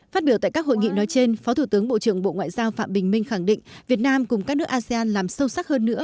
phát biểu tại các hội nghị nói trên phó thủ tướng bộ trưởng bộ ngoại giao phạm bình minh khẳng định việt nam cùng các nước asean làm sâu sắc hơn nữa